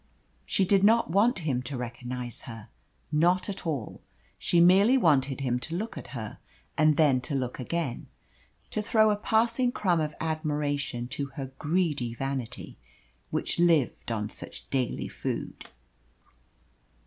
She did not want him to recognise her. Not at all. She merely wanted him to look at her, and then to look again to throw a passing crumb of admiration to her greedy vanity, which lived on such daily food.